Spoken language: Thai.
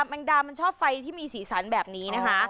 แมงดามันชอบไฟที่มีสีสันแบบนี้นะคะ